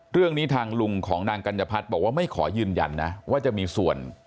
เรื่องนี้ทางลุงของนางกัญญพัฒน์บอกว่าไม่ขอยืนยันนะว่าจะมีส่วน